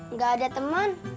nggak ada teman